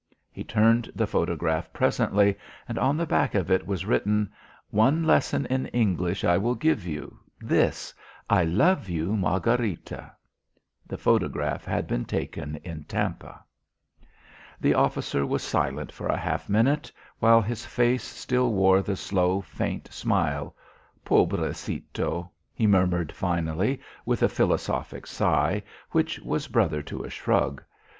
He turned the photograph presently, and on the back of it was written: "One lesson in English I will give you this: I love you, Margharita." The photograph had been taken in Tampa. The officer was silent for a half minute, while his face still wore the slow faint smile. "Pobrecetto," he murmured finally, with a philosophic sigh, which was brother to a shrug.